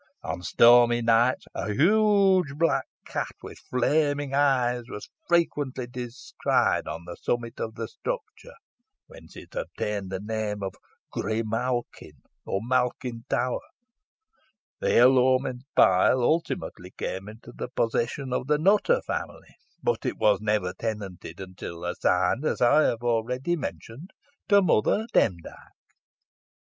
On stormy nights a huge black cat, with flaming eyes, was frequently descried on the summit of the structure, whence it obtained its name of Grimalkin, or Malkin Tower. The ill omened pile ultimately came into the possession of the Nutter family, but it was never tenanted, until assigned, as I have already mentioned, to Mother Demdike."